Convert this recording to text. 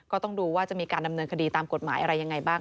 ก็ต้องดูว่าจะมีการดำเนินคดีตามกฎหมายอะไรยังไงบ้าง